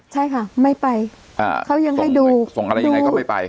ใช่ค่ะไม่ไปอ่าเขายังให้ดูส่งอะไรยังไงก็ไม่ไป